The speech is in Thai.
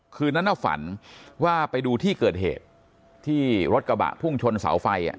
คืนนั้นฝันว่าไปดูที่เกิดเหตุที่รถกระบะพุ่งชนเสาไฟ